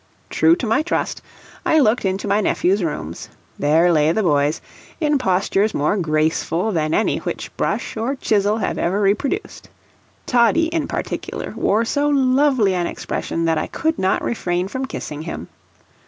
True to my trust, I looked into my nephews' room; there lay the boys, in postures more graceful than any which brush or chisel have ever reproduced. Toddie, in particular, wore so lovely an expression that I could not refrain from kissing him.